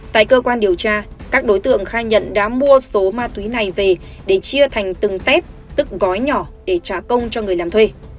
tại cơ quan điều tra các đối tượng khai nhận đã mua số ma túy này về để chia thành từng tép tức gói nhỏ để trả công cho người làm thuê